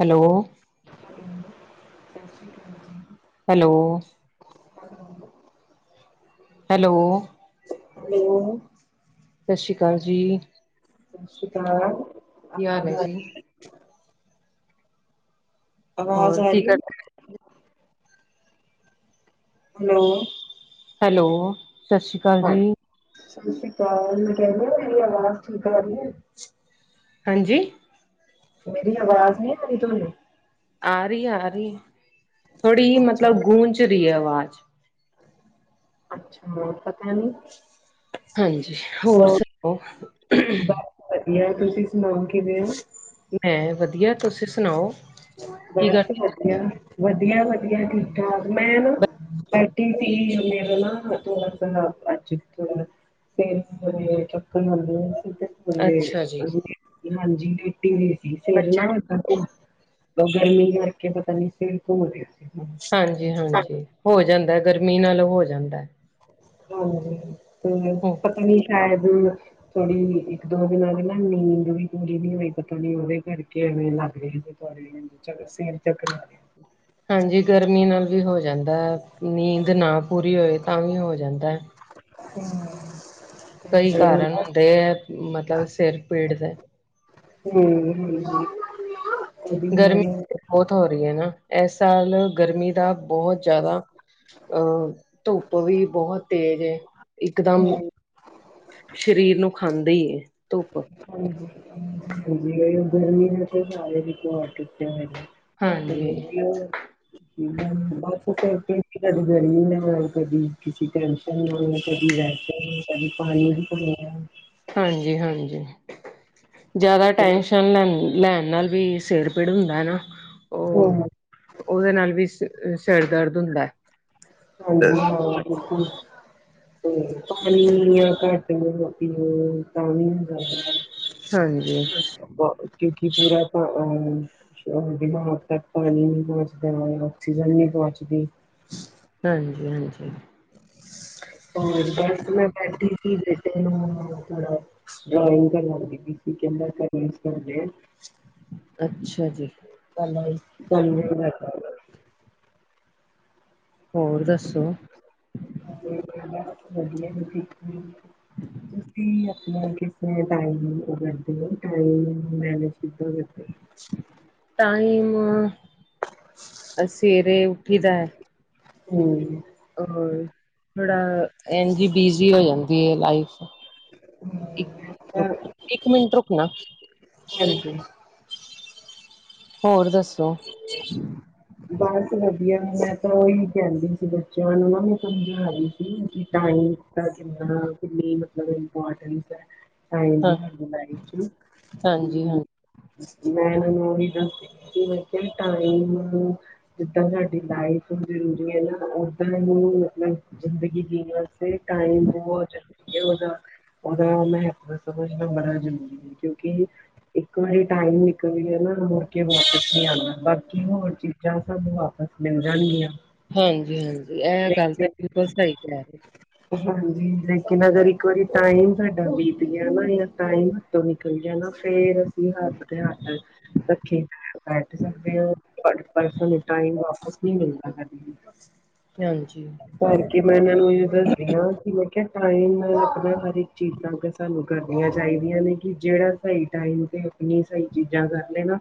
Hello hello ਸਤਿ ਸ਼੍ਰੀ ਅਕਾਲ ਜੀ hello [inaudible] hello [unintelligible] ਸਤਿ ਸ਼੍ਰੀ ਅਕਾਲ ਜੀ ਸਤਿ ਸ਼੍ਰੀ ਅਕਾਲ ਕੀ ਹਾਲ ਆਵਾਜ਼ ਹੈ ਆ ਜੀ ਰਹੀ, ਆਵਾਜ਼ ਹੋਰ ਆ ਕੀ ਰਹੀ ਕਰ ਹੈਲੋ ਹੈਲੋ ਸਤਿ ਸ਼੍ਰੀ ਅਕਾਲ ਜੀ ਹਾਂਜੀ, ਸਤਿ ਸ਼੍ਰੀ ਅਕਾਲ ਮੈਂ ਕਹਿ ਰਹੀ ਮੇਰੀ ਆਵਾਜ਼ ਠੀਕ ਆ ਰਹੀ ਹੈ। ਹਾਂਜੀ ਮੇਰੀ ਆਵਾਜ਼ ਨਹੀਂ ਆ ਰਹੀ ਤੁਹਾਨੂੰ ਆ ਰਹੀ ਆ ਰਹੀ ਥੋੜੀ ਅੱਛਾ, ਮਤਲਬ ਗੂੰਜ ਰਹੀ ਹੈ ਆਵਾਜ਼ ਅੱਛਾ ਪਤਾ ਨੀ ਹਾਂਜੀ ਹੋਰ ਸੁਣਾਓ ਬਸ ਵਧੀਆ ਤੁਸੀਂ ਸੁਣਾਓ ਕਿਵੇਂ ਹੋ ਮੈਂ ਵਧੀਆ ਤੁਸੀਂ ਸੁਣਾਓ ਕੀ ਬਸ ਕਰਦੇ? ਵਧੀਆ ਵਧੀਆ ਵਧੀਆ ਠੀਕ ਠਾਕ ਮੈਂ ਨਾ ਬੈਠੀ ਸੀ ਮੇਰਾ ਨਾਲ ਥੋੜਾ ਸਾਰਾ ਪੱਚ ਥੋੜਾ ਦਿਨ ਸਵੇਰੇ ਥੱਕੀ ਹੁੰਦੀ ਮੈਂ ਸੀ ਅੱਛਾ ਜੀ। ਤੇ ਹਾਂਜੀ ਲੇਟੀ ਹੋਈ ਸੀ ਸਿਰ ਬੱਚੇ ਨਾ [unintelligible] ਉਹ ਗਰਮੀ ਕਰਕੇ ਪਤਾ ਨਹੀਂ ਸਿਰ ਧੋ ਲਿਆ ਸੀ ਮੈਂ ਹਾਂਜੀ ਹਾਂਜੀ ਹੋ ਜਾਂਦਾ ਗਰਮੀ ਨਾਲ ਹੋ ਜਾਂਦਾ ਹਾਂਜੀ ਤੇ ਪਤਾ ਨੀ ਸ਼ਾਇਦ ਸੋਰੀ ਨਹੀਂ ਇੱਕ ਦੋ ਦਿਨ ਤੇ ਨੀਂਦ ਨਹੀਂ ਪੂਰੀ ਨਹੀਂ ਹੋਈ ਪਤਾ ਉਹਦੇ ਕਰਕੇ ਐਵੇਂ ਲੱਗ ਰਿਹਾ ਸੀ। [unintelligible] ਸਿਰ ਚਕਰਾ ਗਿਆ ਹਾਂਜੀ ਗਰਮੀ ਨਾਲ ਵੀ ਹੋ ਜਾਂਦਾ ਨੀਂਦ ਨਾ ਪੂਰੀ ਹੋਵੇ ਤਾਂ ਵੀ ਹੋ ਜਾਂਦਾ ਹੂ,,, ਕਈ ਕਾਰਨ ਹੁੰਦੇ ਹੈ ਮਤਲਬ ਸਿਰ ਪੀੜ ਦੇ ਗਰਮੀ ਹੂ,,, ਬਹੁਤ ਹੋ ਰਹੀ ਹੈ ਨਾ ਇਸ ਸਾਲ ਗਰਮੀ ਦਾ ਬਹੁਤ ਜ਼ਿਆਦਾ ਅਹ ਧੁੱਪ ਵੀ ਬਹੁਤ ਤੇਜ਼ ਏ ਇਕਦਮ ਸਰੀਰ ਨੂੰ ਖਾਂਦੀ ਹੀ ਏ ਧੁੱਪ ਹਾਂਜੀ ਹਾਂ ਗਰਮੀ ਨਾ ਹਾਂਜੀ [unintelligible] [unintelligible] ਬਸ ਫਿਰ ਕਦੇ ਗਰਮੀ ਨਾ ਕਦੀ ਕਿਸੇ ਟਾਈਮ ਕਦੀ ਰਹਿਤੇ ਕਦੇ ਪਾਣੀ ਦੀ ਕਮੀਂ ਆ ਹਾਂਜੀ ਹਾਂਜੀ ਜ਼ਿਆਦਾ ਟੈਸ਼ਨ ਲੈਣ ਲੈਣ ਨਾਲ ਵੀ ਸਿਰ ਪੀੜ ਹੁੰਦਾ ਏ ਨਾ ਹਾਂ ਹਾਂ ਉਹ ਉਹਦੇ ਨਾਲ ਵੀ ਸ ਸਿਰ ਦਰਦ ਹੁੰਦਾ ਹੈ। ਹਾਂਜੀ ਹਾਂ ਬਿਲਕੁਲ ਟਾਈਮ ਵੀ ਘੱਟ ਹੋ ਮਰਜੀ ਹੋ ਜਾਏ ਕੰਮ ਨੀ ਹੁੰਦਾ ਹਾਂਜੀ [unintelligible] [unintelligible] ਹਾਂਜੀ ਹਾਂਜੀ ਹੋਰ ਵੈਸੇ ਮੈਂ ਬੈਠੀ ਸੀ ਬੇਟੇ ਨੂੰ ਥੋੜਾ ਡਇੰਗ ਕਰਨਾ ਦੀ ਬੀ ਪੀ ਕੇ ਅੰਦਰ ਕਰਵ ਕਰਦੇ ਅੱਛਾ ਜੀ। ਚ ਚੱਲ ਹੋਰ ਦੱਸੋ ਵਧੀਆ ਸੀ ਤੁਸੀਂ ਆਪਣਾ ਕਿਸ ਤਰ੍ਹਾਂ ਟਾਇਮ ਕਰਦੇ ਹੋ ਟਾਈਮ ਮੈਨੇਜ ਕਿੱਦਾਂ ਕਰਦੇ ਹੋ? ਟਾਈਮ ਸਵੇਰੇ ਉੱਠੀ ਦਾ ਹੈ। ਹਮ ਥੋੜਾ ਇਨਜ਼ ਬਿਜੀ ਹੋ ਜਾਂਦੀ ਲਾਈਫ ਇਕ ਮ ਪਰ- ਇੱਕ ਮਿੰਟ ਰੁਕ ਨਾ ਹਾਂਜੀ ਹੋਰ ਦੱਸੋ ਬਸ ਵਧੀਆ ਮੈਂ ਤਾਂ ਉਹੀ ਕਹਿੰਦੀ ਸੀ ਬੱਚਿਆਂ ਨੂੰ ਨਾ ਮੈਂ ਸਮਝਾ ਰਹੀ ਸੀ ਨਾ ਟਾਇਮ ਦਾ ਮਤਲਬ ਇਪੋਰਟੈਂਸ ਹੈ ਟਾਈਮ ਦਾ ਹਾਂ ਸਾਡੀ ਲਾਈਫ ਚ ਹਾਂਜੀ ਕੀ ਹਾਂਜੀ ਮੈਂ ਇਹਨਾਂ ਨੂੰ ਓਹੀ ਦੱਸ ਮੈਂ ਕਿਹਾ ਟਾਈਮ ਜਿੱਦਾਂ ਸਾਡੀ ਲਾਈਫ ਜ਼ਰੂਰੀ ਹੈ ਨਾ ਓਦਾਂ ਉਹ ਜ਼ਿੰਦਗੀ ਜੀਣੇ ਟਾਈਮ ਬਹੁਤ ਜ਼ਰੂਰੀ ਹੈ ਸਾਡਾ ਉਹਦਾ ਮਹਤਵ ਸਮਝਣਾ ਬੜਾ ਜ਼ਰੂਰੀ ਹੈ ਕਿਉਂਕਿ ਇੱਕ ਵਾਰੀ ਟਾਈਮ ਨਿਕਲ ਜਾਏ ਨਾ ਮੁੜ ਕੇ ਵਾਪਿਸ ਬਾਕੀ ਹੋਰ ਚੀਜ਼ਾਂ ਸਾਨੂੰ ਵਾਪਸ ਮਿਲ ਜਾਣਗੀਆਂ ਹਾਂਜੀ ਹਾਂਜੀ ਇਹ ਗੱਲ ਤਾਂ ਲੇਕਿਨ ਬਿਲਕੁਲ ਸਹੀ ਕਹਿ ਰਹੇ ਓ ਹਾਂਜੀ ਲੇਕਿਨ ਅਗਰ ਇੱਕ ਵਾਰੀ ਟਾਈਮ ਸਾਡਾ ਬੀਤ ਗਿਆ ਨਾ ਜਿਹੜਾ ਟਾਈਮ ਨਿਕਲ ਜਾਏ ਨਾ ਫੇਰ ਅਸੀਂ ਹੱਥ ਤੇ ਹੱਥ ਰੱਖੇ ਬੈਠ ਸਕਦੇ ਹੋ ਪਰ ਪਰਸੋਂ ਟਾਈਮ ਵਾਪਿਸ ਨਹੀਂ ਮਿਲਦਾ ਕਦੇ ਵੀ ਹਾਂਜੀ। ਕਰਕੇ ਮੈਂ ਇਹਨਾਂ ਨੂੰ ਇਹ ਦੱਸਦੀ ਹਾਂ ਕਿ ਮੈਂ ਕਿਹਾ ਟਾਈਮ ਨਾਲ ਆਪਣਾ ਹਰ ਇੱਕ ਚੀਜ਼ ਨਾਲ ਸਾਨੂੰ ਕਰਨੀਆਂ ਚਾਹੀਦੀਆਂ ਨੇ ਕਿ ਜਿਹੜਾ ਸਹੀ ਟਾਈਮ ਤੇ ਆਪਣੀ ਸਹੀ ਚੀਜ਼ਾਂ ਕਰ ਲੈ ਨਾ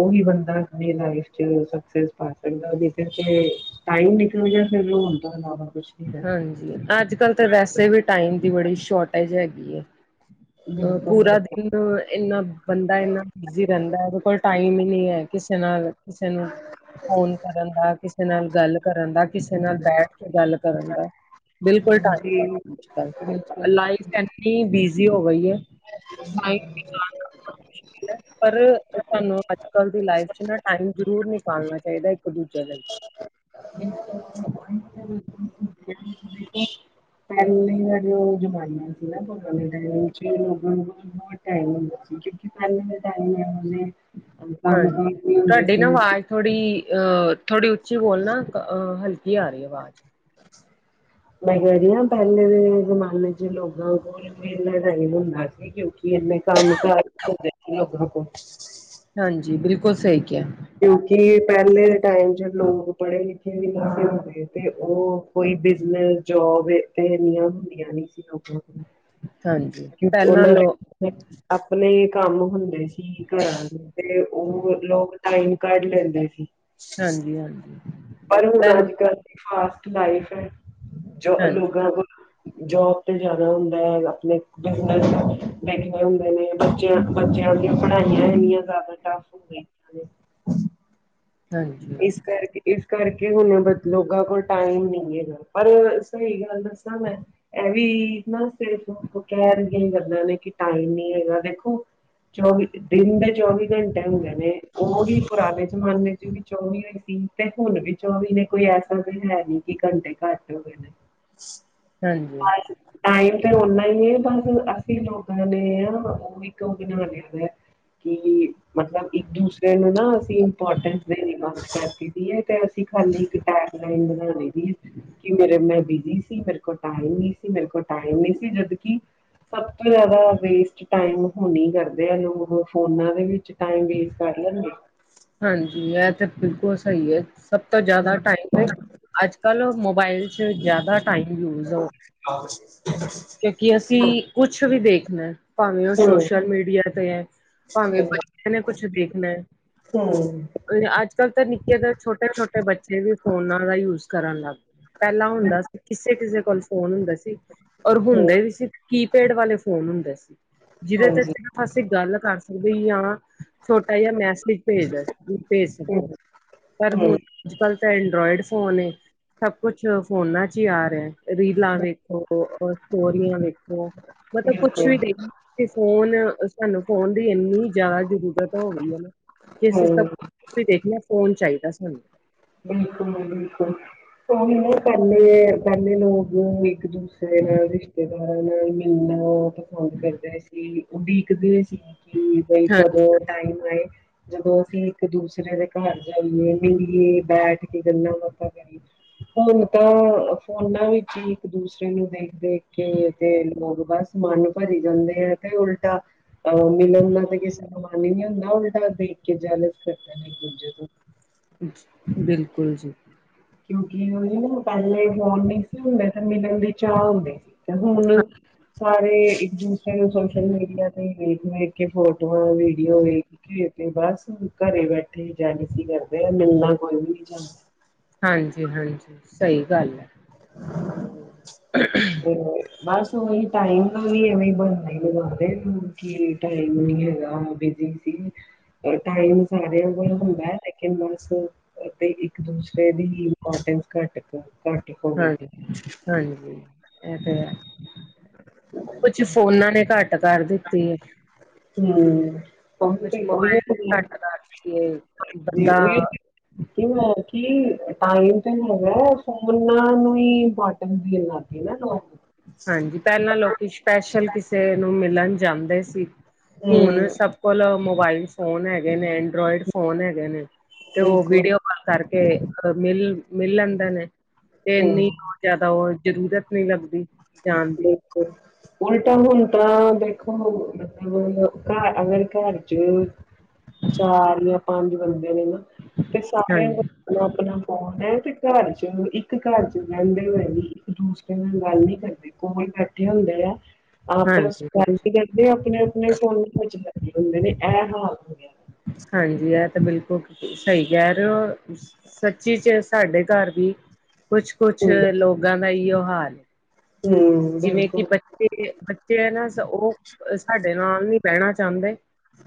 ਉਹੀ ਬੰਦਾ ਆਪਣੀ ਲਾਈਫ ਸਕਸੈਕਸ ਪਾ ਸਕਦਾ ਹੈ ਜੇਕਰ ਫਿਰ ਟਾਈਮ ਨਿਕਲ ਫਿਰ ਸਾਰਾ ਕੁਛ ਨਹੀਂ ਰਹਿੰਦਾ ਹਾਂਜੀ ਅੱਜ ਕਲ ਤਾਂ ਵੈਸੇ ਵੀ ਟਾਈਮ ਦੀ ਬੜੀ ਸ਼ੋਰਟੇਜ ਹੈਗੀ ਹੈ। ਅ ਪੂਰਾ ਬਿਲਕੁਲ ਦੀ ਇੰਨਾ ਬੰਦਾ ਇੰਨਾ ਬਿਜ਼ੀ ਰਹਿੰਦਾ ਉਹਦੇ ਕੋਲ ਟਾਈਮ ਹੀ ਨਹੀਂ ਹੈ ਕਿਸੇ ਨਾਲ। ਕਿਸੇ ਨੂੰ ਫੋਨ ਕਰਨ ਦਾ ਕਿਸੇ ਨਾਲ ਗੱਲ ਕਰਨ ਦਾ ਕਿਸੇ ਨਾਲ ਬੈਠ। ਗੱਲ ਕਰਨ ਦਾ ਬਿਲਕੁਲਾਈਮ ਅੱ ਪਹਿਲੇ ਇ ਬਿਜ਼ੀ ਹੋ ਗਈ ਹੈ। [unintelligible] [unintelligible] ਪਰ ਤੁਹਾਨੂੰ ਅੱਜ ਕੱਲ ਦੀ ਲਾਈਫ ਚ ਨਾ ਟਾਈਮ ਜ਼ਰੂਰ ਨਿਕਾਲਣਾ ਚਾਹੀਦਾ ਇੱਕ ਦੂਜੇ ਦੇ ਲਈ। [unintelligible] [unintelligible] ਪਹਿਲੇਾਂ ਦਾ ਜੋ ਜ਼ਮਾਨਾ ਸੀ ਨਾ ਪੁਰਾਣੇ ਟਾਈਮ ਵਿੱਚ ਲੋਕਾਂ ਨੂੰ ਬਹੁਤ ਬਤ ਟਮ ਹੁੰਦਾ ਸੀ ਕਿਉਂਕਿ ਪ ਦੇ ਟਮ ਕੰਮ ਹਾਂਜੀ ਹੁੰਦੇ ਤੁਹਾਡੀ ਨਾ ਸੀ। ਆਵਾਜ਼ ਥੋੜ੍ਹੀ ਥੋੜ੍ਹੀ ਉੱਚੀ ਬੋਲ ਨਾ ਹਲਕੀ ਆ ਰਹੀ ਆਵਾਜ਼। ਮੈਂ ਕਦੀ ਹ ਪਹਿਲੇ ਦੇ ਜ਼ਮਾਨੇ ਚ ਲੋਕਾਂ ਕੋਲ ਮੇ ਨਹੀਂੁੰਦਾ ਸੀ ਕਿਉਂਕਿ ਇਨੇ ਕੰਮ ਕਰਾਂ ਕੋ ਹਾਂਜੀ ਬਿਲਕੁਲ ਸਹੀ ਕਿਹਾ ਕਿਉਂਕਿ ਪਹਿਲੇ ਦੇ ਟਾਈਮ ਚ ਲੋਕ ਪੜ੍ਹੇ ਲਿਖੇ ਵੀ ਨਹੀਂ ਸੀ। ਤੇ ਉਹ ਕੋਈ ਬਿਜਨਸ ਜੋਬ ਤੇ ਇੰਨੀਆਂ ਹੁੰਦੀਆਂ ਨੀ ਸੀ ਲੋਕਾਂ ਕੋਲ ਹਾਂਜੀ ਕਿ ਪਹਿਲਾਂ ਉਹਨਾਂ ਲੋਕ ਦੇ ਆਪਣੇ ਕੰਮ ਹੁੰਦੇ। ਸੀ ਘਰਾਂ ਨੂੰ ਤੇ ਉਹ ਲੋਕ ਟਾਈਮ ਕੱਢ ਲੈਂਦੇ ਸੀ। ਹਾਂਜੀ ਹਾਂਜੀ ਪਰ ਹੁਣ ਪਹਿਲ ਅੱਜ ਕੱਲ ਦੀ ਫਾਸਟ ਲਾਈਫ ਹੈ। ਹਾਂਜੀ [unintelligible] ਜੋਬ ਤੇ ਜ਼ਿਆਦਾ ਹੁੰਦਾ ਹੈ ਆਪਣੇ ਬਿਜਨ ਬੈਠੇ ਹੁੰਦੇ ਨੇ। ਬੱਚਿਆਂ ਬੱਚਿਆਂ ਦੀਆਂ ਪੜ੍ਹਾਈਆਂ ਇੰਨੀਆਂ ਜ਼ਿਆਦਾ ਟਫ ਹੋ ਗਈਆਂ। ਹਾਂਜੀ ਇਸ ਕਰਕੇ ਇਸ ਕਰਕੇ ਹੁਣ ਲੋਕਾਂ ਕੋਲ ਟਾਈਮ ਨਹੀਂ ਹੈਗਾ ਪਰ ਸਹੀ ਗੱਲ ਦੱਸਾਂ ਮੈਂ ਇਹ ਵੀ ਨਾ ਸਿਰਫ ਕਹਿ ਰਹੀ ਗਦਾਂ ਨੇ ਕਿ ਟਾਈਮ ਨੀ ਹੈਗਾ ਦੇਖੋ। ਚੌਵੀ ਦਿਨ ਦੇ ਚੌਵੀ ਘੰਟੇ ਹੁੰਦੇ ਨੇ ਉਹਹੀ ਪੁਰਾਣੇ ਜ਼ਮਾਨੇ ਚ ਵੀ ਚੌਵੀ ਹੋਈ ਸੀ ਤੇ ਹੁਣ ਵੀ ਚੌਵੀ ਨੇ ਕੋਈ ਐਸਾ ਵੀ ਹੈ ਨਹੀਂ ਕਿ ਘੰਟੇ ਘੱਟ ਹੋ ਗਏ ਨੇ। [unintelligible] ਹਾਂਜੀ, ਬਸ ਟਾਈਮ ਤੇ ਨਾ ਹੀ ਹੈ ਬਸ ਅਸੀਂ ਲੋਕਾਂ ਨੇ ਹਾਂ ਉਹ ਇੱਕ ਉਹ ਬਣਾ ਲਿਆ ਵ। ਕਿ ਮਤਲਬ ਇੱਕ ਦੂਸਰੇ ਨੂੰ ਨਾ ਅਸੀਂ ਇੰਪੋਰਟੈਂਸ ਦੇਣੀ ਵਾਸ ਤੇ ਅਸੀਂ ਖਾਲੀ ਇੱਕ ਟੈਮ ਲਈਨ ਬਣਾਣੇ ਦੀ ਕਿ ਮੇਰੇ ਮੈਂ ਬਿਜੀ ਸੀ। ਸੀ ਮੇਰੇ ਕੋਲ ਟਾਈਮ ਨਹੀਂ ਸੀ ਮੇਰੇ ਕੋਲ ਟਾਈਮ ਨਹੀਂ ਸੀ ਜਦ ਸਭ ਤੋਂ ਜ਼ਿਆਦਾ ਵੇਸਟ ਟਾਈਮ ਹੋਣੀ ਕਰਦੇ ਆ ਲੋਕ ਫੋਨਾਂ ਦੇ ਵਿੱਚ ਟਾਈਮ ਵੇਸ ਕਰ ਲੈਂਦੇ। ਹਾਂਜੀ ਇਹ ਤੇ ਬਿਲਕੁਲ ਸਹੀ ਹੈ ਸਭ ਤੋਂ ਜ਼ਿਆਦਾ ਟਾਈਮ ਤੇ। ਅੱਜ ਕੱਲ੍ਹ ਮੋਬਾਈਲ ਚ ਜ਼ਿਆਦਾ ਟਾਈਮ ਯੂਜ ਹੋ। ਕਿ ਅਸੀਂ ਕੁਛ ਵੀ ਦੇਖਣਾ। ਭਾਵੇਂ ਉਹ ਹੂੰ, ਸੋਸ਼ਲ ਮੀਡੀਆ ਤੇ ਹੈ ਭਾਵੇਂ ਬੱਚਿਆਂ ਨੇ ਕੁਛ ਦੇਖਣਾ ਹੈ। ਹੂੰ, ਅੱਜ ਕੱਲ੍ਹ ਤਾਂ ਨਿੱਕੇ ਤਾਂ ਛੋਟੇ ਛੋਟੇ ਬੱਚੇ ਵੀ ਫੋਨਾਂ ਦਾ ਯੂਜ ਕਰਨ ਲੱਗ ਗਏ। ਪਹਿਲਾਂ ਹੁੰਦਾ ਸੀ ਕਿਸੇ ਕਿਸੇ ਕੋਲ ਫੋਨ ਹੁੰਦਾ ਸੀ। ਔਰ ਹੁੰਦੇ ਵੀ ਸੀ ਕੀਪੈਡ ਵਾਲੇ ਫੋਨ ਹੁੰਦੇ ਸੀ। ਜਿਹਦੇ ਤੇ ਹਾਂਜੀ ਸਿਰਫ ਅਸੀਂ ਗੱਲ ਕਰ ਸਕਦੇ ਹ ਛੋਟਾ ਜਿਹਾ ਮੈਸਲੀ। ਭੇਜਦਾ ਭੇਜ ਸਕਦੇ ਹੋ ਪਰ ਹੁਣ ਹੂੰ, ਅੱਜ ਕੱਲ ਤਾਂ ਐਂਡਰਾੋਇਡ ਫੋਨ ਸਭ ਕੁਛ ਫੋਨਾਂ ਚ ਹੀ ਆ ਰਿਹਾ। ਰੀਲਾਂ ਵੇਖੋ, ਸਟੋਰੀਆਂ ਵੇਖੋ, ਮਤਲਬ ਕੁਛ ਬਿਲਕੁਲ ਵੀ ਦੇਖ ਤੇ ਫੋਨ, ਸਾਨੂੰ ਫੋਨ ਦੀ ਇੰਨੀ ਜ਼ਿਆਦਾ ਜ਼ਰੂਰਤ ਹੋ ਗਈ ਹੈ ਨਾ ਕਿ, ਅਸੀਂ ਸਭ ਹਮ ਕੁ ਦੇਖਣਾ ਫੋਨ ਚਾਹੀਦਾ ਸਾਨੂੰ ਬਿਲਕੁਲ ਜੀ ਬਿਲਕੁਲ ਹ ਪੱਲੇ ਪੱਲੇ ਨੂੰੂ ਇੱਕ ਦੂਸਰੇ ਨਾਲ ਰਿਸ਼ ਨਾਲ ਮਹੀਨਾ ਪਸੰਦ ਕਰਦੇ ਸੀ ਉਹਡੀਕਦੇ ਕਿ ਬਈ ਕਦੋਂ ਟਾਈਮ ਆਏ ਜਦੋਂ ਅਸੀਂ ਇੱਕ ਦੂਸਰੇ ਦੇ ਘਰ ਜਾਈਏ, ਮਲੀਏ ਬੈਠ ਕੇ ਗੱਲਾਂ ਬਾਤਾਂ ਕਰੀਏ ਹੁਣ ਤਾਂ, ਫੋਨਾਂ ਵਿੱਚ ਹੀ ਇੱਕ, ਦੂਸਰੇ ਨੂੰ ਦੇਖ ਦੇਖ ਕੇ ਤੇ ਲੋਕ ਬਸ ਮਨ ਭਰੀ ਜਾਂਦੇ ਹੈ ਤੇ ਉਲਟਾ ਉਹ ਮਿਲਣ ਦਾ ਕਿਸੇ ਨੂੰ ਮਨ ਨਹੀਂ ਹੁੰਦਾ ਉਲਟਾ ਦੇਖ ਕੇ ਜੈਲਸ ਕਰਦੇ ਦੂਜੇ ਤੋਂ ਬਿਲਕੁਲ ਜੀ ਕਿਉਂਕਿ, ਉਹਦੇ ਨਾ ਪਹਿਲੇ ਫੋਨ ਨਹੀਂਸੀ ਹੁੰਦਾ ਤੇ ਮਿਲਣ ਦੇ ਚਾਹਅ ਹੁੰਦੇ ਸੀ ਤੇ ਹੁਣ ਹਾਂ- ਸਾਰੇ ਇੱਕ ਦੂਸਰੇ ਨੂੰ ਸੋਸ਼ਲ ਮੀਡੀਆ ਤੇ ਹੀ ਵੇਖ -ਵੇਖ ਕੇ ਫੋਟੋਆਂ, ਵੀਡੀਓ, ਵੇਖ ਘ ਕੇ ਬਸ ਘਰੇ ਬੈਠੇ ਹੀ ਜੈਲਸੀ ਕਰਦੇ ਆ ਮਿਲਣਾ ਕੋਈ ਵੀ ਨੀ ਚਾਹੰਦਾ ਹਾਂਜੀ ਹਾਂਜੀ, ਸਹੀ ਗੱਲ ਹੈ। ਹੋ, ਬਸ ਉਹੀ ਟਾਈਮ ਦਾ ਵੀ ਐਵੇਂ ਬਣਦਾ ਹੀ ਲਗਾ ਕੀ ਟਾਈਮ ਨੀ ਹੈਗਾ ਬੀ। [unintelligible] ਟਾਈਮ ਸਾਰਿਆਂ ਕੋਲ ਹੁੰਦਾ ਲੇਕਿਨ ਮਸ ਤੇ ਇੱਕ ਦੂਸਰੇ ਦੀ ਇਪੋਰਟੈਂਸ ਘੱਟ ਹੋ ਗਈ ਹਾਂਜੀ -ਹਾਂਜੀ ਐ ਤੇ ਹੈ ਕੁਛ ਫੋਨਾ ਨੇ ਘੱਟ ਕਰ ਦਿੱਤੀ ਹੈ। ਹਮ ਉਹ ਕੁਛ ਉਹੀ ਮੋਬਾਇਲ ਨੇ ਘੱਟ ਕਰ ਦਿੱਤੀ ਏ। ਉਹੀ ਬੰਦਾ ਮੈਂ ਕਿ ਟਾਈਮ ਤੇ ਹੈਗਾ ਫੋ ਨੂੰ ਹੀ [unintelligible] ਲਾਗੇ ਨਾ ਲੋਕ। ਹਾਂਜੀ, ਪਹਿਲਾਂ ਲੋਕੀ ਸਪੈਸ਼ਲ ਕਿਸੇ ਨੂੰ ਮਿਲਣ ਜਾਂਦੇ ਸੀ। ਹੁਣ, ਹੂੰ, ਸਭ ਕੋਲ ਮੋਬਾਇਲ ਫੋਨ ਹੈਗੇ ਨੇ ਐਂਡਰੋਇਡ ਫੋਨ ਹੈਗੇ ਨੇ ਤੇ ਉਹ ਬਿਲਕੁਲ ਵੀਡੀਓ ਕਾਲ ਕਰਕੇ ਮਿਲ, ਮਿਲ ਲੈਂਦੇ ਨੇ ਤੇ ਇੰਨੀ ਹੂੰ, ਜ਼ਿਆਦਾ ਉਹ ਜ਼ਰੂਰਤ ਨਹੀਂ ਲੱਗਦੀ, ਜਾਣ ਦੀ ਕੋ ਨੀ। ਉਲਟਾ ਹੁਣ ਤਾਂ, ਦੇਖੋ ਮਤਲਬ ਘਰ ਅਗਰ ਘਰ ਚ ਚਾਰ ਜਾਂ ਪੰਜ ਬੰਦੇ ਨੇ ਨਾ ਤੇ ਸਾਰਿਆਂ ਨੂੰ ਹਾਂਜੀ। ਆਪਣਾ ਫੋਨ ਹੈ ਤੇ, ਘਰ ਚ ਇੱਕ ਘਰ ਚ ਰਹਿੰਦੇ ਹੋਏ ਵੀ, ਇੱਕ ਦੂਸਰੇ ਨਾਲ ਗੱਲ ਨਹੀਂ ਕਰਦੇ ਕੋਲ ਬੈਠੇ ਹੁੰਦੇ ਆ ਆਪਸ ਹਾਂਜੀ ਆਪਣੇ ਆਪਣੇ ਫੋਨਾਂ ਵਿੱਚ ਲਗੇ ਹੁੰਦੇ ਨੇ ਇਹ ਹਾਲ ਹੋਆ ਹਾਂਜੀ, ਇਹ ਤਾਂ, ਬਿਲਕੁਲ ਸਹੀ ਕਹਿ ਰਹੇ ਹੋ ਸੱਚੀ ਚ ਸਾਡੇ ਘਰ ਦੀ ਕੁਛ -ਕੁਛ ਹੂੰ, ਲੋਕਾਂ ਦਾ ਹੀ ਉਹ ਹਾਲ ਹੈ ਹੂੰ ਜਿਵੇਂ ਕਿ, ਬਿਲਕੁਲ ਬੱਚੇ, ਬੱਚੇ ਹੈ ਨਾ ਉਹ ਸਾਡੇ ਨਾਲ ਨਹੀਂੀ ਬਹਿਣਾ ਚਾਹੁੰਦੇ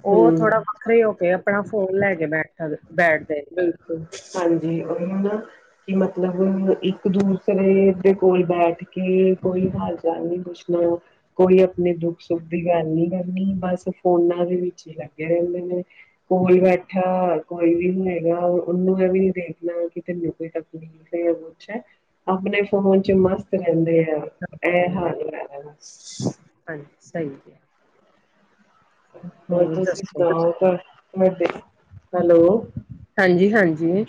ਉਹ ਹੂੰ। ਥੋੜਾ ਵੱਖਰੇ ਹੋ ਕੇ, ਆਪਣਾ ਫੋਨ ਲੈ ਕੇ ਬੈਠ ਬੈਠਦੇ ਨੇ ਬਿਲਕੁਲ, ਹਾਂਜੀ, ਉਹ ਹ ਨਾ ਕਿ ਮਤਲਬ, ਇੱਕ ਦੂਸਰੇ ਦੇ ਕੋਲ ਬੈਠ ਕੇ, ਕੋਈ ਹਾਲ ਚਾਲ ਨੀ ਪੁੱਛਦਾ ਕੋਈ ਆਪਣੇ ਦੁੱਖ ਸੁੱਖ ਦੀ ਗੱਲ ਨੀ ਕਰਨੀ, ਬਸ ਫੋਨਾਂ ਦੇ ਵਿੱਚ ਲੱਗੇ ਰਹਿੰਦੇ, ਨੇ ਕੋਲ ਬੈਠਾ ਕੋਈ ਵੀ ਉਹਨੂੰ ਇਹ ਵੀ ਦੇਖਣਾ, ਕਿ ਤੈਨੂੰ ਕੋਈ ਤਕਲੀਫ਼ ਪੁਛ ਆਪਣੇ ਫੋਨ ਚ ਮਸਤ ਰਹਿੰਦੇ ਆ ਇਹ ਨੇ ਹਾਲ ਹੈਗਾ ਬਸ ਹਾਂਜੀ ਸਹੀ਼। ਦੱਸੋ ਤੁ ਹੈਲੋ ਹਾਂਜੀ, ਹਾਂਜੀ।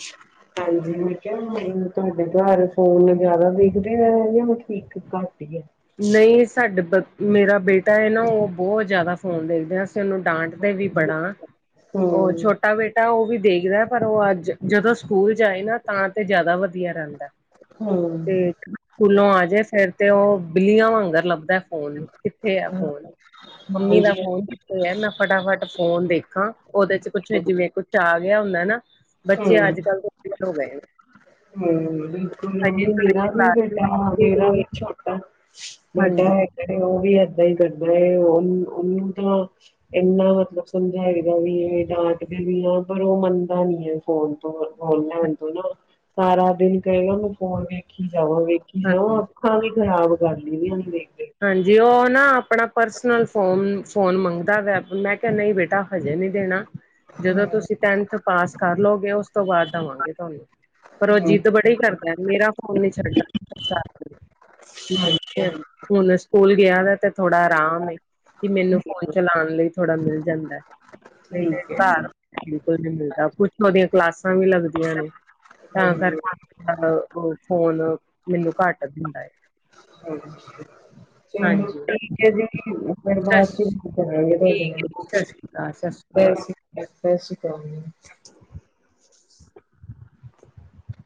ਹਾਂਜੀ ਮੈਂ ਕਿਹਾਿਆ ਤੁਹਾਡੇ ਘਰ ਫੋਨ ਜ਼ਿਆਦਾ ਦੇਖਦੇ ਹੈ ਜਾਂ ਠੀਕ ਘੱਟ ਹੀ ਹੈ। ਨਹੀਂ ਸਾਡੇ ਬ ਮੇਰਾ ਬੇਟਾ ਹੈ ਨਾ ਉਹ ਬਹੁਤ ਜ਼ਿਆਦਾ ਫੋਨ ਦੇਖਦੇ ਆ ਉਹਨੂੰ ਡਾਂਟਦੇ ਵੀ ਬੜਾ ਉਹ ਹੂੰ ਛੋਟਾ ਬੇਟਾ ਉਹ ਵੀ ਦੇਖਦਾ ਪਰ ਉਹ ਅੱਜ ਜਦੋਂ ਸਕੂਲ ਜਾਏ ਨਾ ਤਾਂ ਤੇ ਜਿਆਦਾ ਵਧੀਆ ਰਹਿੰਦਾ ਹੂੰ ਤੇ ਸਕੂਲੋਂ ਆਜੇ ਫੇਰ ਤੇ ਉਹ ਬਿੱਲੀਆਂ ਵਾਂਗਰ ਲੱਭਦਾ ਫੋਨ ਨੂੰ ਕਿੱਥੇ ਆ ਫੋਨ ਮੰਮੀ ਹਾਂਜੀ ਦਾ ਫੋਨ਼ ਮੈਂ ਫਟਾਫਟ ਫੋਨ ਦੇਖਾਂ, ਉਹਦੇ ਚ ਕੁੱਛ ਜਿਵੇਂ ਕੁਛ ਆ ਗਿਆ ਹੁੰਦਾ ਨਾ ਬੱਚੇ ਹੂੰ ਅੱਜ ਕੱਲ੍ਹ ਹੋ ਗਏ [unintelligible] ਬਿਲਕੁਲ ਹਜੇ ਮੇਰਾ ਵੀ ਵਿੱਚ ਬੇਟਾ ਬੱਚੇ, ਬੇਟਾ ਹਾਂਜੀ ਹੈ ਉਹ ਵੀ ਏਦਾਂ ਹੀ ਕਰਦਾ ਹੈ ਉਹ ਉਹਨੂੰ ਤਾਂ ਇੰਨਾ ਮਤਲਬ ਸਮਝਾਏਗਾ ਵੀ, ਇਹ ਡਾਂਟਦੇ ਵੀ ਹਾਂ ਪਰ ਉਹ ਮੰਨਦਾ ਨੀ। ਫੋਨ ਤੋਂ ਫੋਨ ਲੈਣ ਤੋਂ ਨਾ ਸਾਰਾ ਦਿਨ ਕਹੇਗਾ ਮੈਂ ਫੋਨ ਵੀ ਵੇਖੀ ਜਾਵਾਂ ਵੇਖੀ ਹਾਂਜੀ ਜਾਵਾਂ ਅੱਖਾਂ ਵੀ ਖ਼ਰਾਬ ਕਰਨ ਲਈ ਵੇਖ ਵੇਖ ਕੇ ਹਾਂਜੀ, ਉਹ ਨਾ ਆਪਣਾ ਪਰਸਨਲ ਫੋਨ ਫੋਨ ਮੰਗਦਾ ਵਾ, ਮੈਂ ਕਿਹਾ ਨਹੀਂ ਬੇਟਾ ਹਜੇ ਨੀ ਦੇਣਾ। ਹਮ ਜਦੋਂ ਤੁਸੀਂ ਟੈਂਨਥ ਪਾਸ ਕਰ ਲਓਗੇ ਉਸ ਤੋਂ ਬਾਅਦ ਦਵਾਂਗੇ, ਤੁਹਾਨੂੰ ਪਰ ਉਹ ਹਮ ਜਿੱਦ ਬ ਨਹੀਂ ਕਰਦਾ ਮੇਰਾ ਫੋਨ ਨੀ ਛੱਡਦਾ ਅੱਛਾ ਹਾਂਜੀ ਹੂ ਹਾਂਜੀ ਹੁਣ ਸਕੂਲ ਗਿਆ ਵੇ ਤੇ ਥੋੜਾ ਆਰਾਮ ਕਿ, ਮੈਨੂੰ ਫੋਨ ਚਲਾਉਣ ਲਈ ਥੋੜਾ ਮਿਲ ਜਾਂਦਾ। ਨਹੀਂ ਤੇ ਠੀਕ ਹੈ ਜੀ ਘਰ ਬਿਲਕੁਲ ਨਹੀਂ ਮਿਲਦਾ ਕੁਛ ਉਹਦੀਆਂ ਕਲਾਸਾਂ ਵੀ ਲੱਗਦੀਆਂ ਨੇ ਤਾਂ ਹਮ ਕਰਕੇ ਉਹ ਫੋਨ ਮੈਨੂੰ ਘੱਟ ਦਿੰਦਾ ਹੈ। ਹਮ। ਹਾਂਜੀ। ਠੀਕ ਹੈ ਜੀ ਫਿਰ ਸਤਿ ਬਾਅਦ ਚ ਸ਼੍ਰੀ ਕਰਾਂਗੇ ਤੁਹਾਡੇ ਠੀਕ ਹੈ ਜੀ ਸਤਿ ਨਾਲ ਸ਼੍ਰੀ ਅਕਾਲ ਸਤਿ ਸ਼੍ਰੀ ਅਕਾਲ [unintelligible] [inaudible]